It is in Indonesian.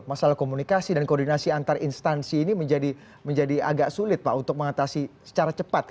masalah komunikasi dan koordinasi antar instansi ini menjadi agak sulit pak untuk mengatasi secara cepat